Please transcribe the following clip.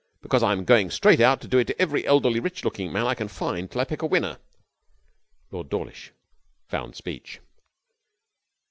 Because I'm going straight out to do it to every elderly, rich looking man I can find till I pick a winner.' Lord Dawlish found speech.